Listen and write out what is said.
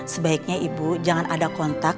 sebaiknya ibu jangan ada kontak